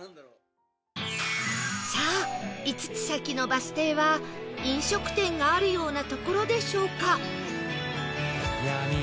さあ５つ先のバス停は飲食店があるような所でしょうか？